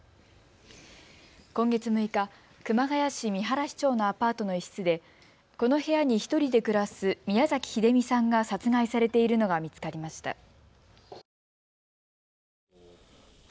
今月６日、熊谷市見晴町のアパートの一室でこの部屋に１人で暮らす宮崎英美さんが殺害されているのが見つかりました。